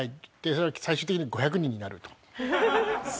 それが最終的に５００人になると。